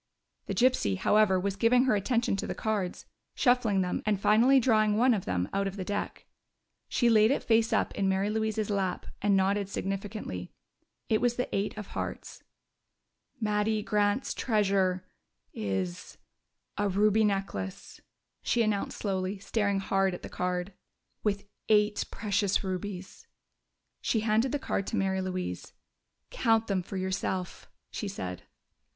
The gypsy, however, was giving her attention to the cards, shuffling them, and finally drawing one of them out of the deck. She laid it face up in Mary Louise's lap and nodded significantly. It was the eight of hearts. "Mattie Grant's treasure is a ruby necklace," she announced slowly, staring hard at the card. "With eight precious rubies!" She handed the card to Mary Louise. "Count them for yourself!" she said.